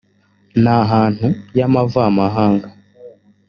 n ahantu y amavamahanga